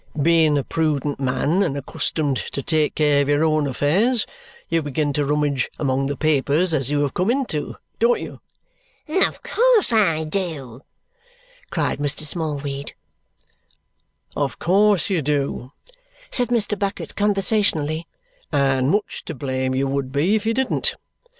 "Being a prudent man and accustomed to take care of your own affairs, you begin to rummage among the papers as you have come into; don't you?" "Of course I do," cried Mr. Smallweed. "Of course you do," said Mr. Bucket conversationally, "and much to blame you would be if you didn't.